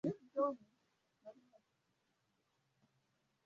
Majengo ya orodha ya Antipater hayakudumu hadi leo